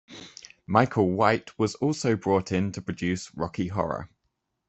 Michael White was also brought in to produce "Rocky Horror".